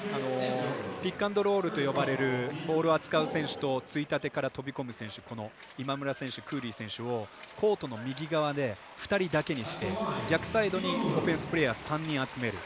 ピックアンドロールと呼ばれるボールを扱う選手とついたてから飛び込む選手今村選手、クーリー選手をコートの右側で２人だけにして逆サイドにオフェンスプレーヤー３人集める。